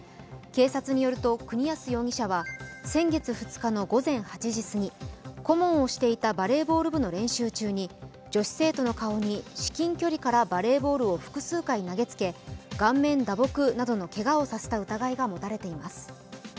警察によると国安容疑者は先月２日の午前８時過ぎ、顧問をしていたバレーボール部の練習中に、女子生徒の顔に至近距離からバレーボールを複数回投げつけ、顔面打撲などのけがをさせた疑いが持たれています。